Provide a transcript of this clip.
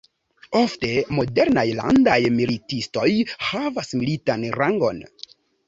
Ofte, modernaj landaj militistoj havas militan rangon.